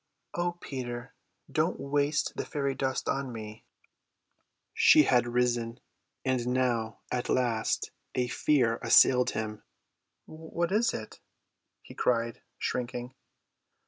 "O Peter, don't waste the fairy dust on me." She had risen; and now at last a fear assailed him. "What is it?" he cried, shrinking.